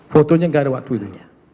fotonya nggak ada waktu itu